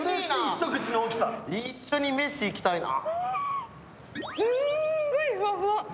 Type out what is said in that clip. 一緒に飯、行きたいな。